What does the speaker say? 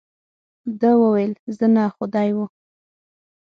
ده وویل، زه نه، خو دی وو.